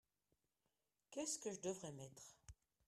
Qu'est-ce que je devrais mettre ?